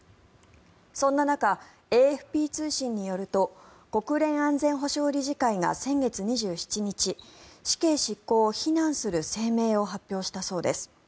そんな中、ＡＦＰ通信によると国連安全保障理事会が先月２７日死刑執行を非難する声明を発表したそうです。